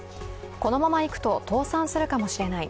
このままいくと、倒産するかもしれない。